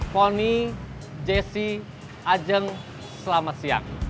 pondi jessy ajeng selamat siang